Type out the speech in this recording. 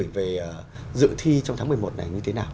về dự thi trong tháng một mươi một này như thế nào